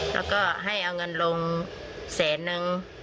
แล้วก็ให้เอาเงินลงแสนนึง